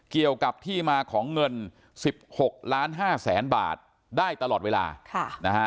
เกี่ยวกับที่มาของเงิน๑๖ล้านห้าแสนบาทได้ตลอดเวลาค่ะนะฮะ